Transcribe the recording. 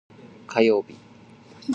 火曜日